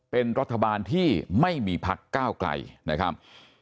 เป็นรัฐบาลที่ไม่มีพักก้าวไกลนะครับ